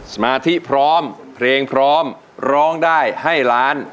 สมาธิพร้อมเพลงพร้อมร้องได้ให้ล้าน